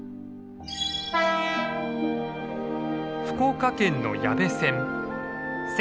福岡県の矢部線。